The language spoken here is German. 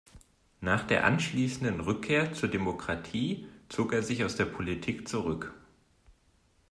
Nach der anschließenden Rückkehr zur Demokratie zog er sich aus der Politik zurück.